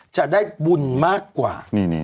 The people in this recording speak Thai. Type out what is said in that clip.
จะได้บุญมากกว่า